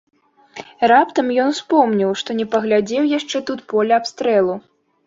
Раптам ён успомніў, што не паглядзеў яшчэ тут поля абстрэлу.